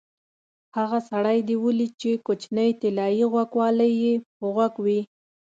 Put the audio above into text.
هغه سړی دې ولید چې کوچنۍ طلایي غوږوالۍ یې په غوږ وې؟